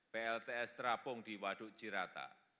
plts terapung di waduk cirata